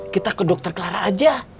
kita ke dokter clara aja